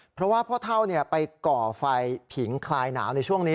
เพราะว่าพ่อเท่าไปก่อไฟผิงคลายหนาวในช่วงนี้